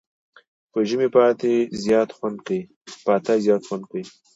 په ژمي پاتی زیات خوند کوي.